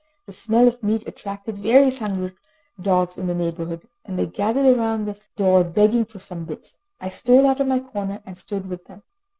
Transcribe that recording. The smell of meat attracted various hungry dogs in the neighbourhood, and they gathered round the door begging for some bits. I stole out of my corner, and stood with them.